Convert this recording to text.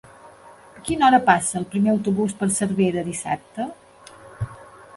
A quina hora passa el primer autobús per Cervera dissabte?